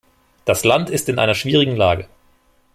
Das Land ist in einer schwierigen Lage.